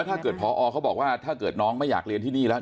ถ้าเกิดพอเขาบอกว่าถ้าเกิดน้องไม่อยากเรียนที่นี่แล้ว